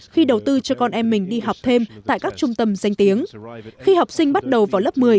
khi đầu tư cho con em mình đi học thêm tại các trung tâm danh tiếng khi học sinh bắt đầu vào lớp một mươi